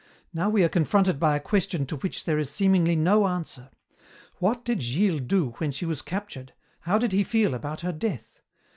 Now we are confronted by a question to which there is seemingly no answer. What did Gilles do when she was captured, how did he feel about her death?